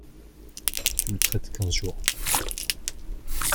Tu le traites quinze jours…